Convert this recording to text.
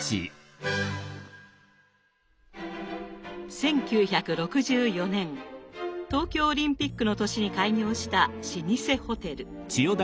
１９６４年東京オリンピックの年に開業した老舗ホテル。